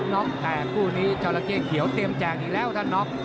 น็อคแต่คู่นี้ชาวละเกียร์เขียวเตรียมแจ่งอีกแล้วท่านน็อค